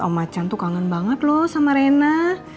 om macan tuh kangen banget loh sama rena